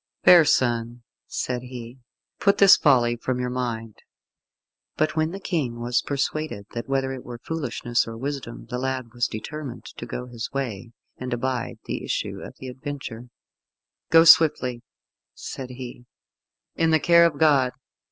"Fair son," said he, "put this folly from your mind." But when the King was persuaded that whether it were foolishness or wisdom the lad was determined to go his way, and abide the issue of the adventure, "Go swiftly," said he, "in the care of God.